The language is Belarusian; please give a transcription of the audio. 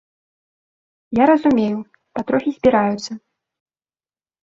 Я разумею, патрохі збіраюцца.